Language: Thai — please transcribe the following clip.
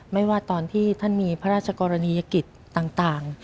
ไม่ว่าตอนที่ท่านมีพระราชกรณียกิจต่าง